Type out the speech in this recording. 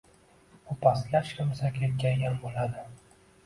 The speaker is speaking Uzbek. U pastkash kimsa kekkaygan boʻladi.